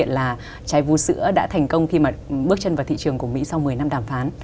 chúng ta phải kể đến sự kiện là trái vũ sữa đã thành công khi mà bước chân vào thị trường của mỹ sau một mươi năm đàm phán